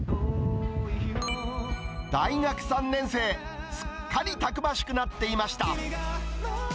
大学３年生、すっかりたくましくなっていました。